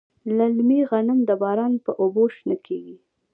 للمي غنم د باران په اوبو شنه کیږي.